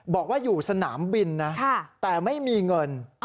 บอกว่าอยู่สนามบินนะแต่ไม่มีเงิน